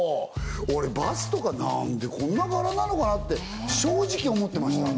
俺バスとかなんでこんな柄なのかなって正直思ってました